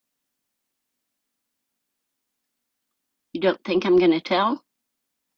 You don't think I'm gonna tell!